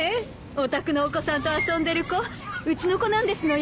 お宅のお子さんと遊んでる子うちの子なんですのよ。